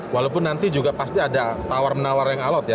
walaupun nanti juga pasti ada tawar menawar yang alot ya